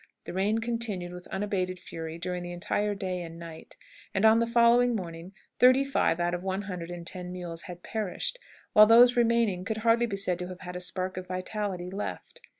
The rain continued with unabated fury during the entire day and night, and on the following morning thirty five out of one hundred and ten mules had perished, while those remaining could hardly be said to have had a spark of vitality left.